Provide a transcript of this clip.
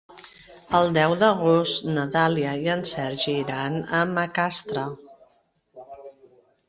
El deu d'agost na Dàlia i en Sergi iran a Macastre.